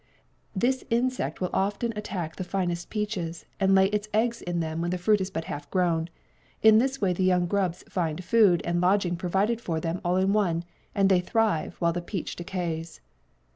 This insect will often attack the finest peaches and lay its eggs in them when the fruit is but half grown. In this way the young grubs find food and lodging provided for them all in one, and they thrive, while the peach decays."